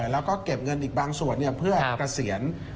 แล้วก็เก็บเงินอีกบางส่วนเพื่อเกษียณ